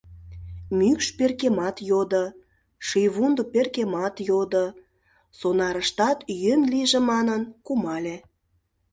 Мӱкш перкемат йодо, шийвундо перкемат йодо, сонарыштат йӧн лийже манын, кумале.